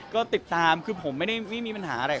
ก็ติดตามคือผมไม่มีปัญหาอะไร